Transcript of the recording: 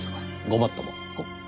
ごもっとも！？